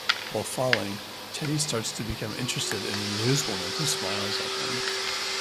While falling, Teddy starts to become interested in a newswoman who smiles at him.